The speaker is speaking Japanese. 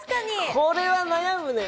これは悩むね。